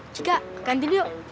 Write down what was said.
cika ganti dulu yuk